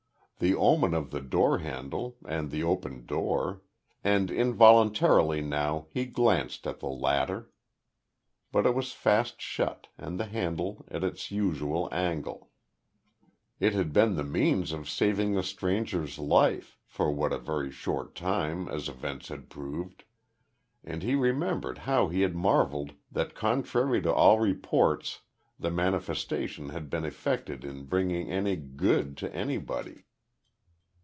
The omen of the door handle and the open door; and involuntarily now he glanced at the latter. But it was fast shut, and the handle at its usual angle. It had been the means of saving the stranger's life for what a very short time, as events had proved and he remembered how he had marvelled that contrary to all report the manifestation had been effected in bringing any good to anybody.